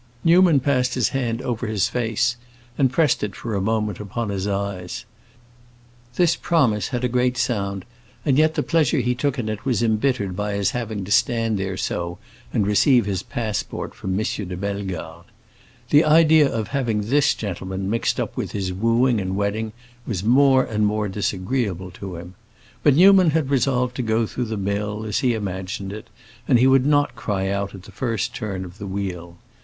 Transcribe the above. Newman passed his hand over his face, and pressed it for a moment upon his eyes. This promise had a great sound, and yet the pleasure he took in it was embittered by his having to stand there so and receive his passport from M. de Bellegarde. The idea of having this gentleman mixed up with his wooing and wedding was more and more disagreeable to him. But Newman had resolved to go through the mill, as he imagined it, and he would not cry out at the first turn of the wheel.